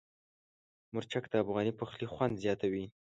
مرچک د افغاني پخلي خوند زیاتوي.